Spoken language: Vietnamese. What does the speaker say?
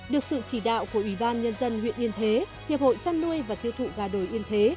được sự chỉ đạo của ủy ban nhân dân huyện yên thế hiệp hội chăn nuôi và tiêu thụ gà đồi yên thế